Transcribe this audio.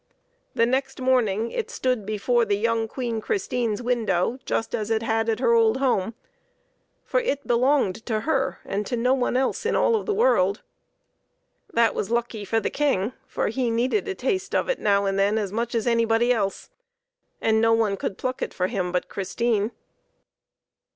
The next morning it stood before the young Queen Christine's window, just as it had at her old home, for it belonged to her and to no one else in all of the world. That was lucky for the King, for he needed a taste of it now and then as much as anybody else, and no one could pluck it for him but Christine.